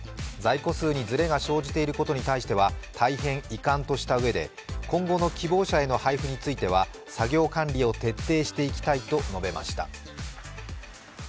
在庫数にずれが生じていることについては大変遺憾とした上で今後の希望者への配布については作業管理を徹底していきたいと述べました。